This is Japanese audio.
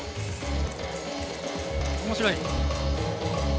面白い。